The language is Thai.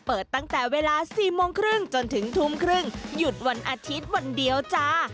เปิดตั้งแต่เวลา๔โมงครึ่งจนถึงทุ่มครึ่งหยุดวันอาทิตย์วันเดียวจ้า